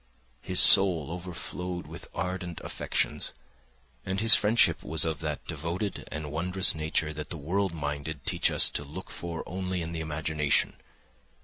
His soul overflowed with ardent affections, and his friendship was of that devoted and wondrous nature that the worldly minded teach us to look for only in the imagination.